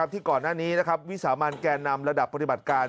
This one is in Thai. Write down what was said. ที่ก่อนหน้านี้วิสามันแก่นำระดับปฏิบัติการ